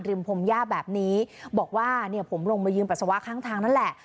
พมย่าแบบนี้บอกว่าเนี่ยผมลงมายืนปัสสาวะข้างทางนั่นแหละ